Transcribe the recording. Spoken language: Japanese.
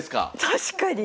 確かに！